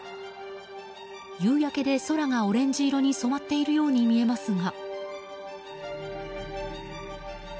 夕焼けで空がオレンジ色に染まっているように見えますが。